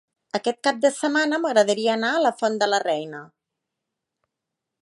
Aquest cap de setmana m'agradaria anar a la Font de la Reina.